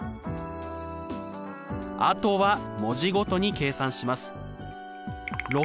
あとは文字ごとに計算します。